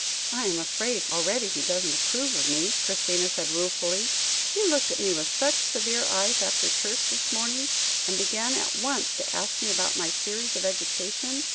"I am afraid already he doesn't approve of me," Christina said ruefully; "he looked at me with such severe eyes after church this morning, and began at once to ask me about my theories of education.